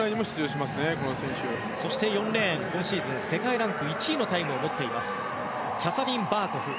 そして４レーン、今シーズン世界ランク１位のタイムを持っているキャサリン・バーコフ。